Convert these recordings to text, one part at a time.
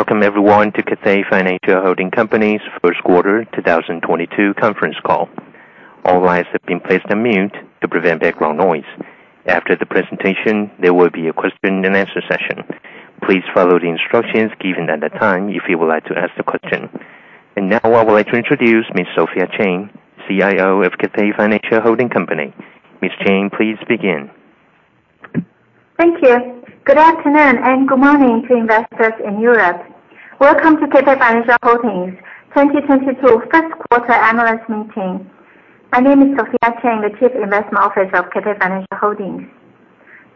Welcome everyone to Cathay Financial Holding Co.'s first quarter 2022 conference call. All lines have been placed on mute to prevent background noise. After the presentation, there will be a question and answer session. Please follow the instructions given at the time if you would like to ask the question. Now I would like to introduce Ms. Sophia Cheng, CIO of Cathay Financial Holding Co. Ms. Cheng, please begin. Thank you. Good afternoon, and good morning to investors in Europe. Welcome to Cathay Financial Holdings' 2022 first quarter analyst meeting. My name is Sophia Cheng, the Chief Investment Officer of Cathay Financial Holdings.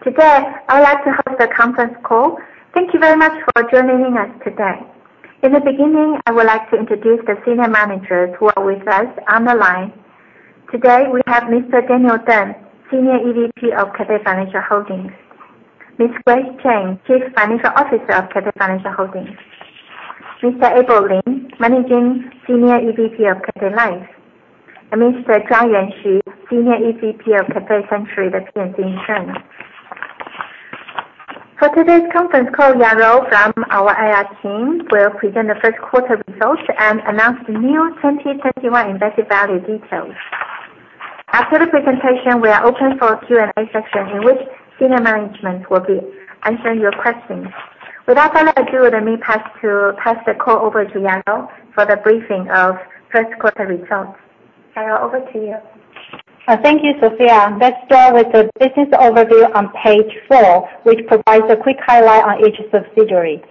Today, I would like to host the conference call. Thank you very much for joining us today. In the beginning, I would like to introduce the senior managers who are with us on the line. Today, we have Mr. Daniel Teng, Senior EVP of Cathay Financial Holdings; Ms. Grace Chen, Chief Financial Officer of Cathay Financial Holdings; Mr. Abel Lin, Managing Senior EVP of Cathay Life; and Mr. Juan Yuan Xu, Senior EVP of Cathay Century, the property and casualty insurance. For today's conference call, Yajou from our IR team will present the first quarter results and announce the new 2021 embedded value details. After the presentation, we are open for a Q&A session in which senior management will be answering your questions. Without further ado, let me pass the call over to Yajou for the briefing of first quarter results. Yajou, over to you. Thank you, Sophia. Let's start with the business overview on page four, which provides a quick highlight on each subsidiary.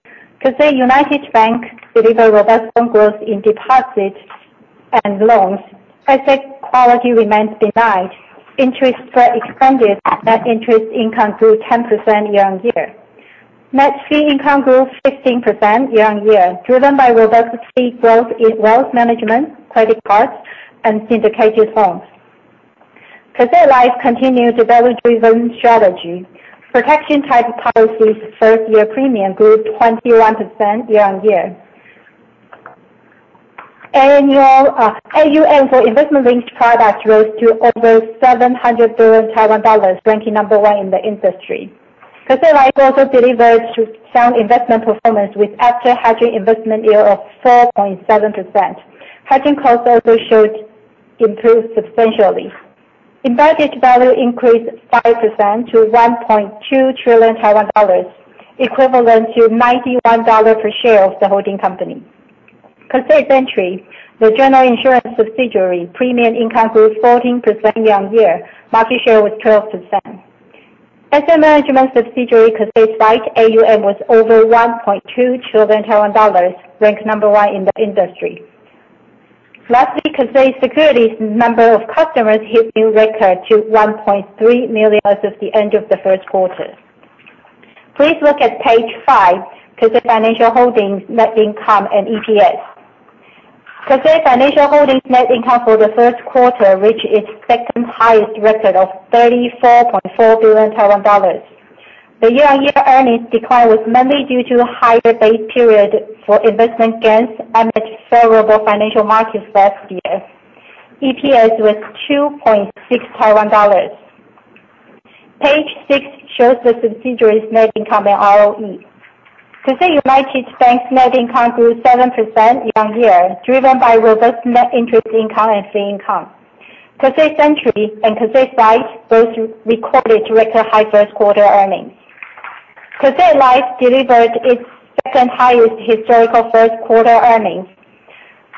Cathay United Bank delivered robust loan growth in deposits and loans. Asset quality remains benign. Interest spread expanded. Net interest income grew 10% year-on-year. Net fee income grew 15% year-on-year, driven by robust fee growth in wealth management, credit cards, and syndicated loans. Cathay Life continued the value-driven strategy. Protection type policies first-year premium grew 21% year-on-year. AUM for investment-linked product rose to over 700 billion Taiwan dollars, ranking number 1 in the industry. Cathay Life also delivered sound investment performance with after-hedging investment yield of 4.7%. Hedging cost also showed improved substantially. Embedded value increased 5% to 1.2 trillion Taiwan dollars, equivalent to 91 dollar per share of the holding company. Cathay Century, the general insurance subsidiary premium income grew 14% year-on-year. Market share was 12%. Asset management subsidiary Cathay Securities Investment Trust AUM was over 1.2 trillion dollars, ranked number one in the industry. Lastly, Cathay Securities' number of customers hit a new record to 1.3 million as of the end of the first quarter. Please look at page five, Cathay Financial Holdings net income and EPS. Cathay Financial Holdings net income for the first quarter reached its second highest record of 34.4 billion dollars. The year-on-year earnings decline was mainly due to higher base period for investment gains amid favorable financial markets last year. EPS was 2.6 Taiwan dollars. Page six shows the subsidiaries' net income and ROE. Cathay United Bank's net income grew 7% year-on-year, driven by robust net interest income and fee income. Cathay Century and Cathay Securities Investment Trust both recorded record high first quarter earnings. Cathay Life delivered its second highest historical first quarter earnings.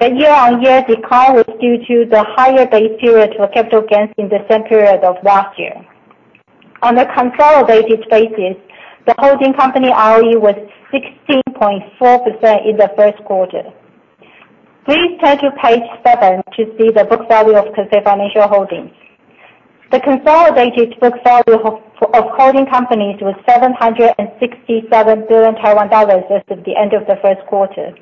The year-on-year decline was due to the higher base period for capital gains in the same period of last year. On a consolidated basis, the holding company ROE was 16.4% in the first quarter. Please turn to page seven to see the book value of Cathay Financial Holdings. The consolidated book value of holding companies was 767 billion Taiwan dollars as of the end of the first quarter.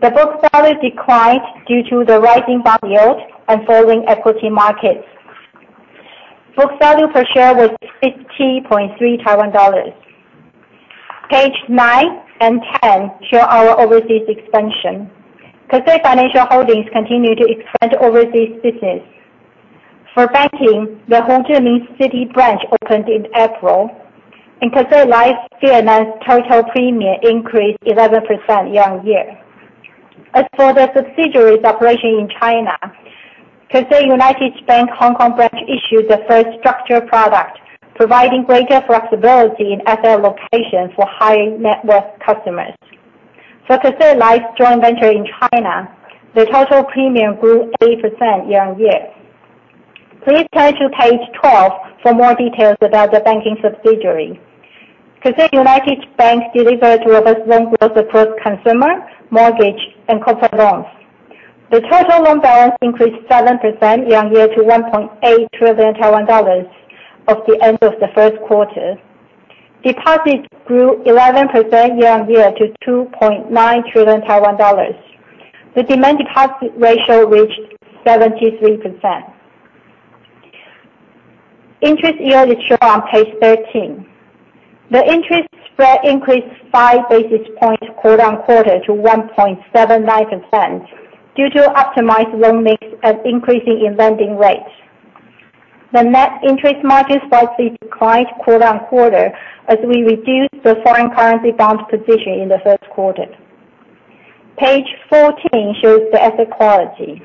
The book value declined due to the rising bond yield and falling equity markets. Book value per share was 50.3 Taiwan dollars. Page nine and 10 show our overseas expansion. Cathay Financial Holdings continue to expand overseas business. For banking, the Ho Chi Minh City branch opened in April. In Cathay Life, Vietnam's total premium increased 11% year-on-year. As for the subsidiaries operation in China, Cathay United Bank Hong Kong branch issued the first structured product, providing greater flexibility in asset allocation for high-net-worth customers. For Cathay Life's joint venture in China, the total premium grew 8% year-on-year. Please turn to page 12 for more details about the banking subsidiary. Cathay United Bank delivered robust loan growth across consumer, mortgage, and corporate loans. The total loan balance increased 7% year-on-year to 1.8 trillion dollars as of the end of the first quarter. Deposits grew 11% year-on-year to 2.9 trillion Taiwan dollars. The demand deposit ratio reached 73%. Interest yields is shown on page 13. The interest spread increased five basis points quarter-on-quarter to 1.79% due to optimized loan mix and increasing in lending rates. The net interest margin slightly declined quarter-on-quarter as we reduced the foreign currency bond position in the first quarter. Page 14 shows the asset quality.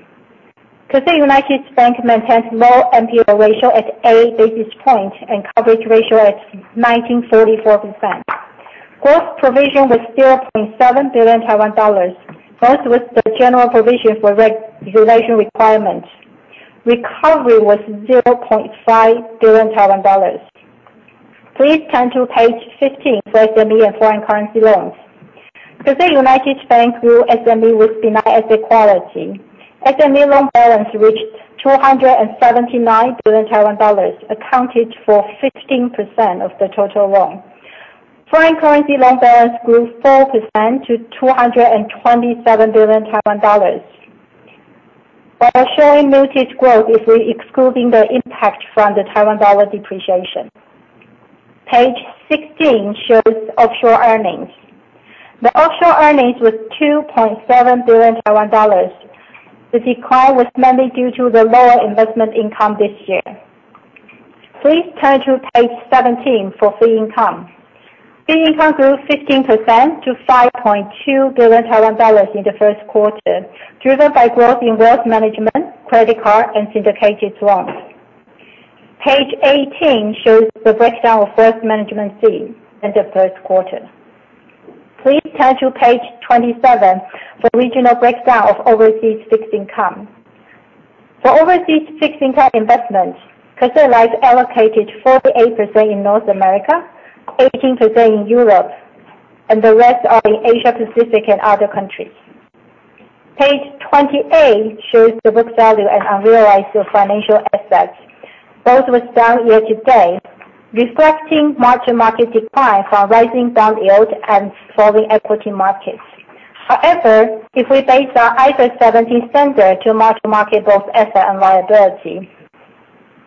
Cathay United Bank maintains low NPL ratio at eight basis points and coverage ratio at 19.44%. Gross provision was 0.7 billion Taiwan dollars, both with the general provision for regulation requirements. Recovery was 0.5 billion Taiwan dollars. Please turn to page 15 for SME and foreign currency loans. Cathay United Bank grew SME with benign asset quality. SME loan balance reached 279 billion Taiwan dollars, accounted for 15% of the total loan. Foreign currency loan balance grew 4% to 227 billion Taiwan dollars. While showing notable growth if we're excluding the impact from the Taiwan dollar depreciation. Page 16 shows offshore earnings. The offshore earnings was 2.7 billion Taiwan dollars. The decline was mainly due to the lower investment income this year. Please turn to page 17 for fee income. Fee income grew 15% to 5.2 billion Taiwan dollars in the first quarter, driven by growth in wealth management, credit card, and syndicated loans. Page 18 shows the breakdown of wealth management fees in the first quarter. Please turn to page 27 for regional breakdown of overseas fixed income. For overseas fixed income investments, Cathay Life allocated 48% in North America, 18% in Europe, and the rest are in Asia, Pacific, and other countries. Page 28 shows the book value and unrealized financial assets, both were down year-to-date, reflecting mark-to-market decline from rising bond yield and falling equity markets. If we base our IFRS 17 standard to mark to market both asset and liability,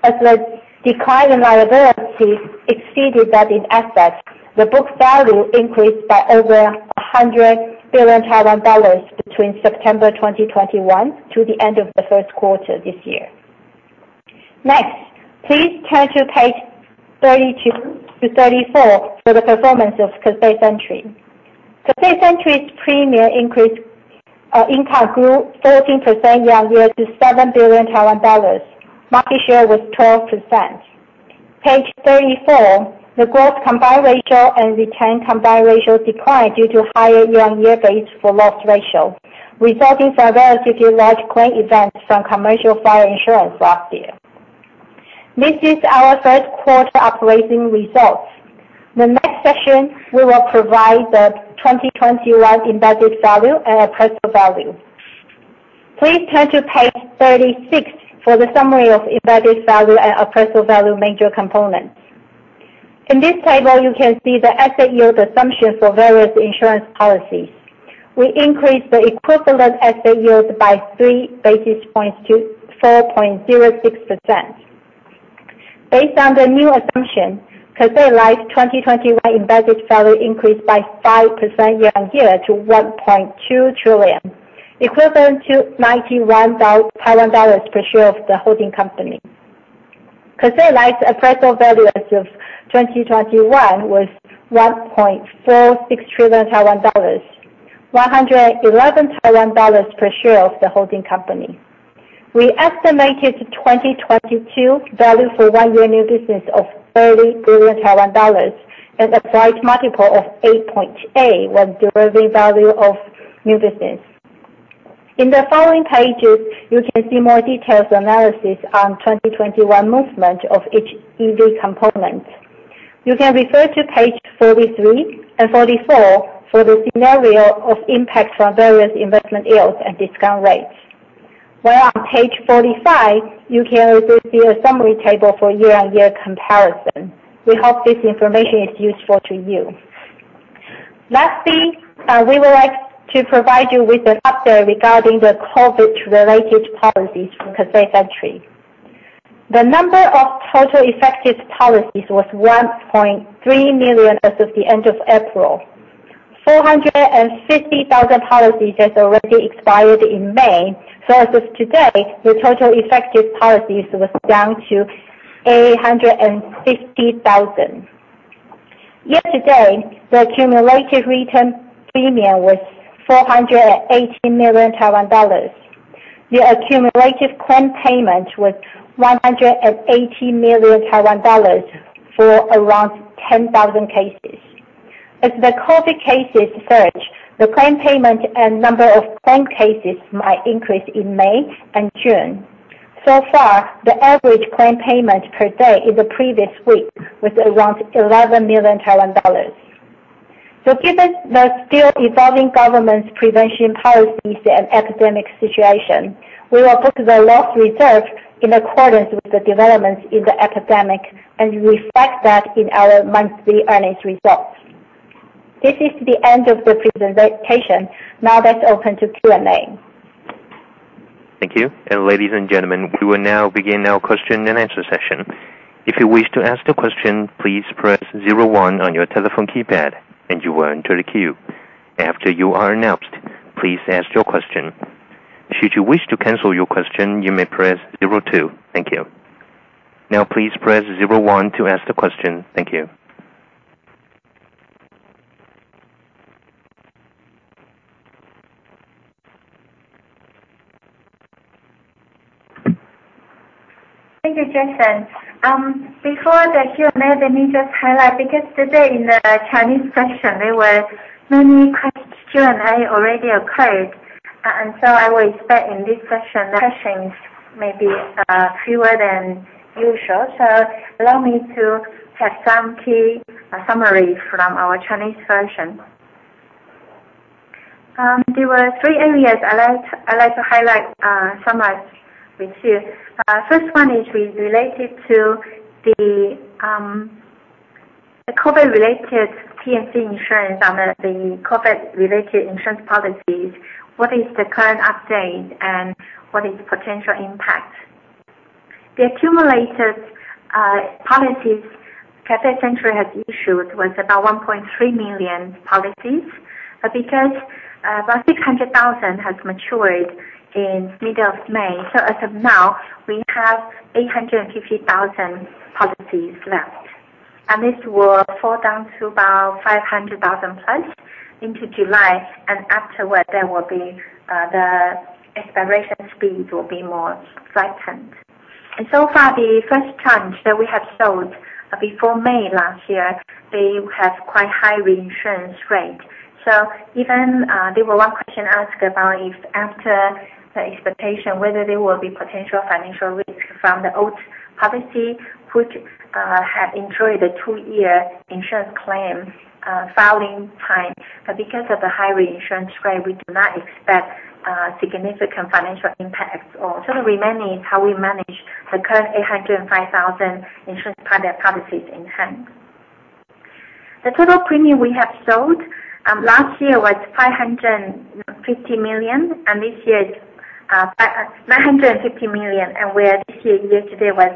as the decline in liability exceeded that in assets, the book value increased by over 100 billion Taiwan dollars between September 2021 to the end of the first quarter this year. Next, please turn to page 32-34 for the performance of Cathay Century. Cathay Century's premium income grew 14% year-on-year to 7 billion Taiwan dollars. Market share was 12%. Page 34, the gross combined ratio and retained combined ratio declined due to higher year-on-year base for loss ratio, resulting from various few large claim events from commercial fire insurance last year. This is our first quarter operating results. The next section, we will provide the 2021 embedded value and appraisal value. Please turn to page 36 for the summary of embedded value and appraisal value major components. In this table, you can see the asset yield assumption for various insurance policies. We increased the equivalent asset yield by three basis points to 4.06%. Based on the new assumption, Cathay Life 2021 embedded value increased by 5% year-on-year to 1.2 trillion, equivalent to 91 dollars per share of the holding company. Cathay Life's appraisal value as of 2021 was 1.46 trillion Taiwan dollars, 111 Taiwan dollars per share of the holding company. We estimated 2022 value for one-year new business of 30 billion Taiwan dollars and applied multiple of 8.8 when deriving value of new business. In the following pages, you can see more detailed analysis on 2021 movement of each EV component. You can refer to page 43 and 44 for the scenario of impact from various investment yields and discount rates. On page 45, you can refer to a summary table for year-on-year comparison. We hope this information is useful to you. Lastly, we would like to provide you with an update regarding the COVID-related policies for Cathay Century. The number of total effective policies was 1.3 million as of the end of April. 450,000 policies has already expired in May. As of today, the total effective policies was down to 850,000. Year-to-date, the accumulated return premium was 418 million Taiwan dollars. The accumulated claim payment was 180 million Taiwan dollars for around 10,000 cases. As the COVID cases surge, the claim payment and number of claim cases might increase in May and June. So far, the average claim payment per day in the previous week was around 11 million Taiwan dollars. given the still evolving government's prevention policies and epidemic situation, we will put the loss reserve in accordance with the developments in the epidemic and reflect that in our monthly earnings results. This is the end of the presentation. Now let's open to Q&A. Thank you. Ladies and gentlemen, we will now begin our question and answer session. If you wish to ask a question, please press zero one on your telephone keypad, and you will enter the queue. After you are announced, please ask your question. Should you wish to cancel your question, you may press zero two. Thank you. Now please press zero one to ask the question. Thank you. Thank you, Jason. Before the Q&A, let me just highlight, because today in the Chinese session, there were many Q&A already occurred. I will expect in this session the questions may be fewer than usual. Allow me to have some key summary from our Chinese version. There were three areas I'd like to highlight, summarize with you. First one is related to the COVID-related T&C insurance, the COVID-related insurance policies. What is the current update and what is potential impact? The accumulated policies Cathay Century has issued was about 1.3 million policies. Because about 600,000 has matured in middle of May, as of now, we have 850,000 policies left. This will fall down to about 500,000 plus into July. Afterward, the expiration speed will be more flattened. So far, the first tranche that we have sold before May last year, they have quite high reinsurance rate. Even, there was one question asked about if after the expectation whether there will be potential financial risk from the old policy, which had entered the two-year insurance claim filing time. Because of the high reinsurance rate, we do not expect significant financial impacts or sort of remaining how we manage the current 805,000 insurance product policies in hand. The total premium we have sold last year was 550 million, this year is 950 million, and where this year year-to-date was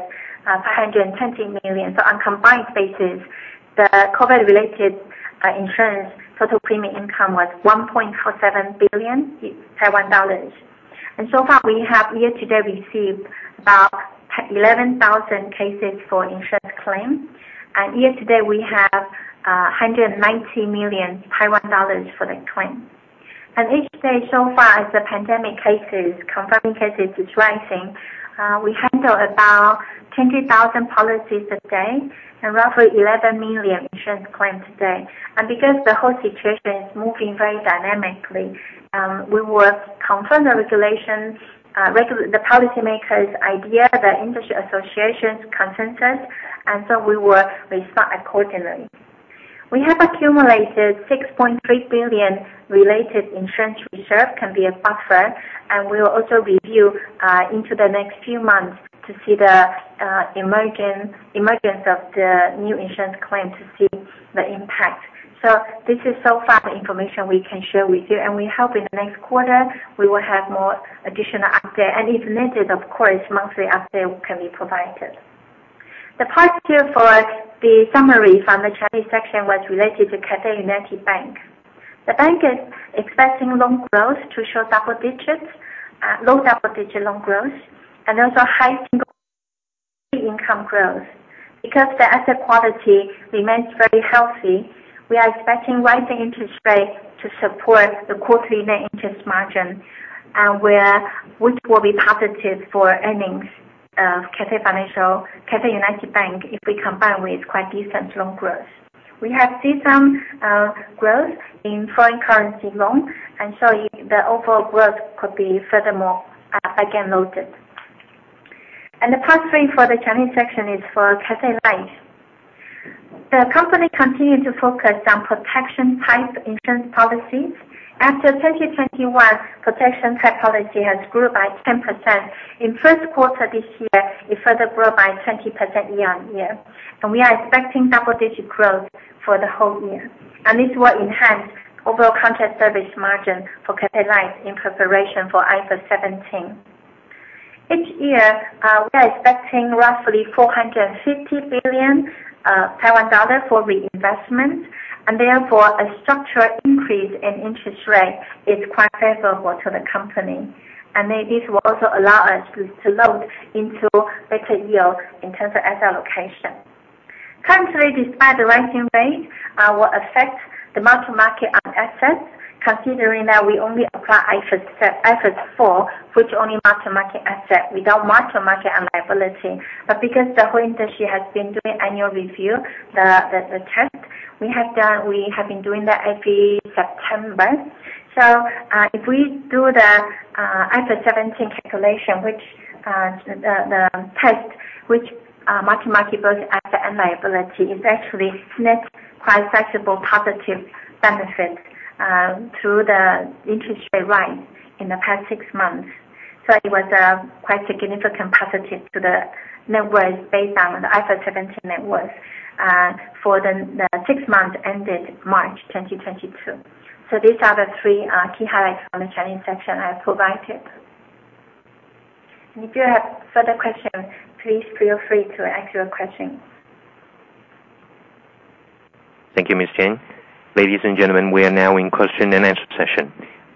520 million. On combined basis, the COVID-related insurance total premium income was 1.47 billion Taiwan dollars. So far, we have year-to-date received about 11,000 cases for insurance claims. Year-to-date, we have 190 million Taiwan dollars for the claim. Each day so far as the pandemic cases, confirmed cases is rising, we handle about 20,000 policies a day and roughly 11 million insurance claims a day. Because the whole situation is moving very dynamically, we will confirm the policy makers' idea, the industry association's consensus, we will respond accordingly. We have accumulated 6.3 billion related insurance reserve can be a buffer, we will also review into the next few months to see the emergence of the new insurance claim to see the impact. This is so far the information we can share with you. We hope in the next quarter we will have more additional update. If needed, of course, monthly update can be provided. The part here for the summary from the Chinese section was related to Cathay United Bank. The bank is expecting loan growth to show low double-digit loan growth and also high single income growth. The asset quality remains very healthy, we are expecting rising interest rate to support the quarterly net interest margin, which will be positive for earnings of Cathay United Bank if we combine with quite decent loan growth. We have seen some growth in foreign currency loan, the overall growth could be furthermore again loaded. The part three for the Chinese section is for Cathay Life. The company continued to focus on protection-type insurance policies. After 2021, protection-type policy has grew by 10%. In first quarter this year, it further grew by 20% year-on-year. We are expecting double-digit growth for the whole year. This will enhance overall contract service margin for Cathay Life in preparation for IFRS 17. Each year, we are expecting roughly 450 billion Taiwan dollar for reinvestment, therefore a structural increase in interest rate is quite favorable to the company. This will also allow us to load into better yield in terms of asset allocation. Currently, despite the rising rate will affect the mark-to-market on assets, considering that we only apply IFRS 4, which only mark-to-market asset without mark-to-market liability. Because the whole industry has been doing annual review, the test we have been doing that every September. If we do the IFRS 17 calculation, the test which mark-to-market both asset and liability is actually net quite favorable positive benefit through the interest rate rise in the past six months. It was a quite significant positive to the net worth based on the IFRS 17 net worth for the six month ended March 2022. These are the three key highlights from the Chinese section I have provided. If you have further questions, please feel free to ask your question. Thank you, Ms. Jane. Ladies and gentlemen, we are now in question and answer session.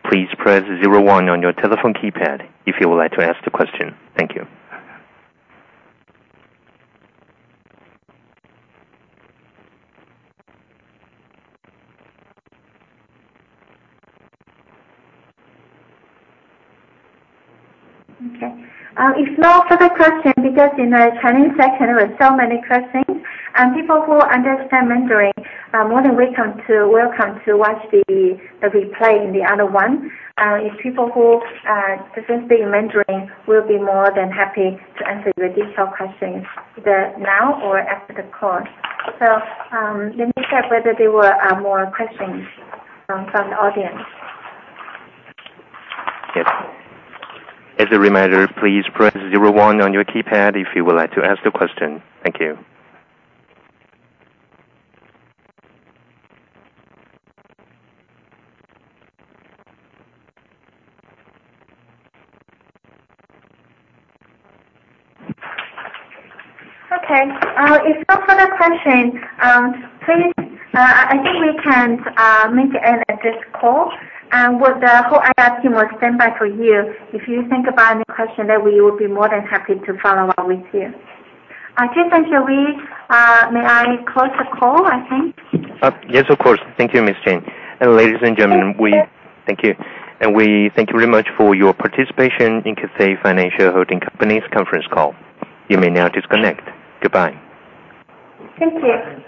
Please press zero one on your telephone keypad if you would like to ask a question. Thank you. Okay. If no further question, because in the training section there were so many questions, people who understand mentoring are more than welcome to watch the replay in the other one. If people who are interested in mentoring, we'll be more than happy to answer your detailed questions either now or after the call. Let me check whether there were more questions from the audience. Yes. As a reminder, please press zero one on your keypad if you would like to ask a question. Thank you. Okay. If no further question, I think we can maybe end this call. The whole IR team will stand by for you. If you think about any question, we will be more than happy to follow up with you. Okay, thank you. May I close the call, I think? Yes, of course. Thank you, Ms. Jane. Ladies and gentlemen, Thank you. Thank you. We thank you very much for your participation in Cathay Financial Holding Company's conference call. You may now disconnect. Goodbye. Thank you.